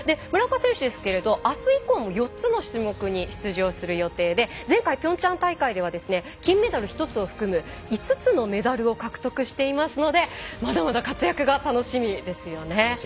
村岡選手ですけれどあす以降も４つの種目に出場する予定で前回、ピョンチャン大会では金メダル１つを含む５つのメダルを獲得していますので楽しみです。